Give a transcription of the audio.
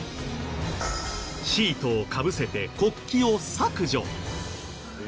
シートをかぶせて国旗を削除。